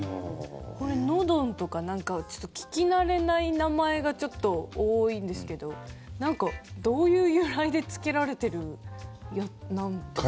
これ、ノドンとか聞き慣れない名前がちょっと多いんですけどどういう由来でつけられてるんですか。